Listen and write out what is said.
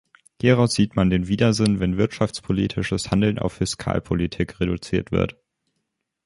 Hieraus sieht man den Widersinn, wenn wirtschaftspolitisches Handeln auf Fiskalpolitik reduziert wird.